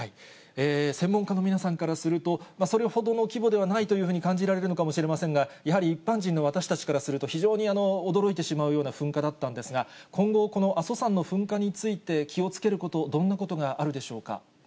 専門家の皆さんからすると、それほどの規模ではないというふうに感じられるのかもしれませんが、やはり一般人の私たちからすると、非常に驚いてしまうような噴火だったんですが、今後、この阿蘇山の噴火について、気をつけること、どんなことがあるでしょうか。